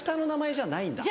じゃないんです。